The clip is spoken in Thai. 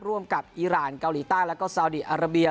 ร่วมกับอีรานเกาหลีใต้แล้วก็ซาวดีอาราเบีย